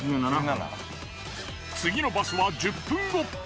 次の場所は１０分後。